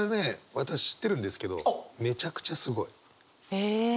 私知ってるんですけどめちゃくちゃすごい。え。